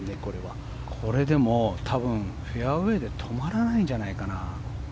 これ、でもフェアウェーで止まらないんじゃないかな。